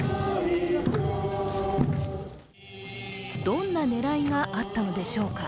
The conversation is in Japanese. どんな狙いがあったのでしょうか？